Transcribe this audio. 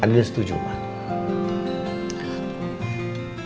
adil setuju mak